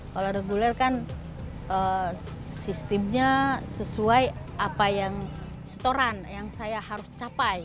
kalau reguler kan sistemnya sesuai apa yang setoran yang saya harus capai